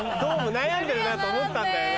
悩んでるなと思ったんだよな。